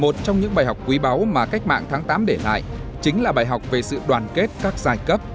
một trong những bài học quý báu mà cách mạng tháng tám để lại chính là bài học về sự đoàn kết các giai cấp